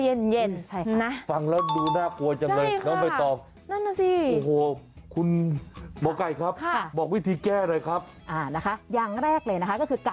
ค่ะใช่อากาศร้อนด้วยไปแบบอะไรนิดนี่หน่อยมันจะแบบคืนขึ้นมา